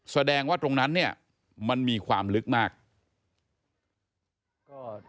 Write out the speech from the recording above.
แสดงว่าตรงนั้นเนี่ยมันมีความลึกมาก